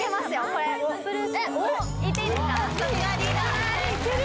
これいっていいですか？